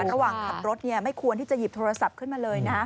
ระหว่างขับรถไม่ควรที่จะหยิบโทรศัพท์ขึ้นมาเลย